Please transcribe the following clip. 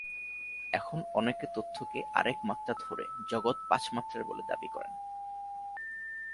এখন অনেকে তথ্যকে আরেক মাত্রা ধরে জগৎ পাঁচ মাত্রার বলে দাবি করেন।